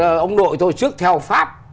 ừ ông nội tôi trước theo pháp